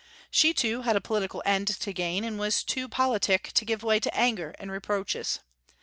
She, too, had a political end to gain, and was too politic to give way to anger and reproaches.